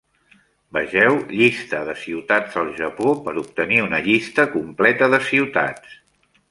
Vegeu Llista de ciutats al Japó per obtenir una llista completa de ciutats.